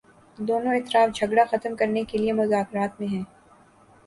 دونوں اطراف جھگڑا ختم کرنے کے لیے مذاکرات میں ہیں